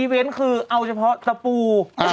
เว้นคือเอาเฉพาะตะปู